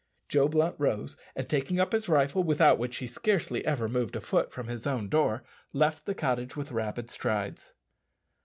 Joe Blunt rose, and taking up his rifle without which he scarcely ever moved a foot from his own door left the cottage with rapid strides.